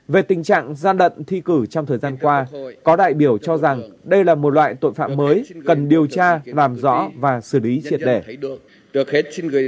về tình trạng gian lận thi cử trong thời gian qua có đại biểu cho rằng đây là một loại tội phạm mới cần điều tra làm rõ và xử lý triệt đẻ